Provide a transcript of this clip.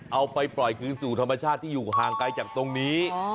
เอาไปปล่อยคืนสู่ธรรมชาติที่อยู่ห่างไกลจากตรงนี้